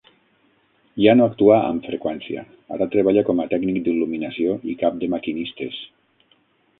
Ja no actua amb freqüència, ara treballa com a tècnic d'il.luminació i cap de maquinistes.